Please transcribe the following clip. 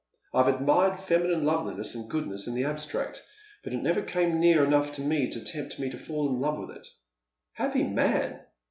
I have admired feminine loveliness and goodness in the abstract, but it never came near enough to me to tempt me to fall in love with it." " Happy man